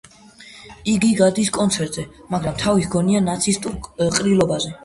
იგი გადის კონცერტზე, მაგრამ თავი ჰგონია ნაცისტურ ყრილობაზე.